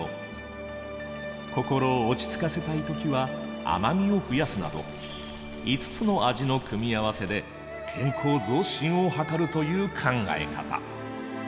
心を落ち着かせたい時は甘味を増やすなど五つの味の組み合わせで健康増進を図るという考え方。